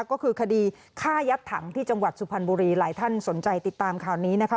ก็คือคดีฆ่ายัดถังที่จังหวัดสุพรรณบุรีหลายท่านสนใจติดตามข่าวนี้นะคะ